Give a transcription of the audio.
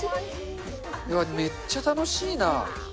うわ、めっちゃ楽しいな。